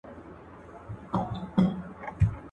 چي پر لاري برابر سي او سړی سي.